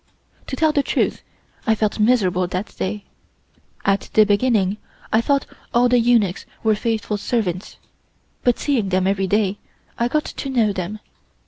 To tell the truth, I felt miserable that day. At the beginning I thought all the eunuchs were faithful servants, but seeing them every day, I got to know them.